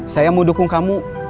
saya mau dukung kamu